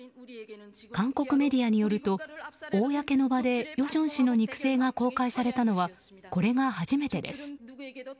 韓国メディアによると公の場で与正氏の肉声が公開されたのはこれが初めてです。